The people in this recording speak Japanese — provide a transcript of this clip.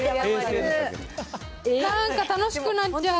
なんか楽しくなっちゃう。